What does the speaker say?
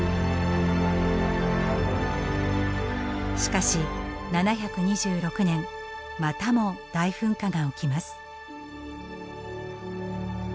しかし７２６年またも大噴火が起きます。